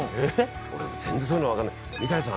俺全然そういうの分かんない三谷さん